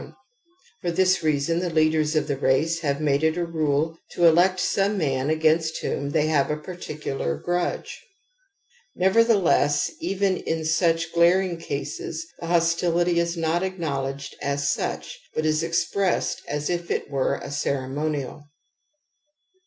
THE AMBIVALENCE OF EMOTIONS 85 for this reason the leaders of the race have made it a rule to elect some man against whom they have a particular gru^e. Nevertheless, even in such glaring cases the hostility is not acknow ledged as such, but is expressed as if it were a ceremonial.